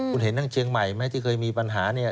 คุณเห็นทั้งเชียงใหม่ไหมที่เคยมีปัญหาเนี่ย